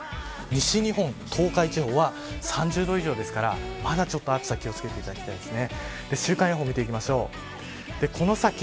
西日本、東海地方は３０度以上ですからまだちょっと暑さ気を付けていただきたいですね。